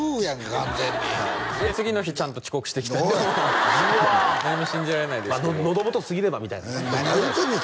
完全にはい次の日ちゃんと遅刻してきたんで何も信じられないですけど喉元過ぎればみたいなね何を言うてんねん？